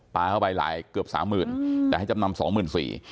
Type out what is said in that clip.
ปลาเข้าไปหลายเกือบสามหมื่นแต่ให้จำนำสองหมื่นสี่